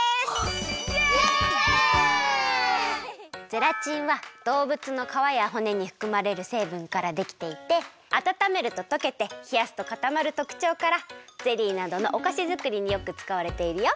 ゼラチンは動物の皮や骨にふくまれるせいぶんからできていてあたためるととけてひやすとかたまるとくちょうからゼリーなどのおかしづくりによくつかわれているよ。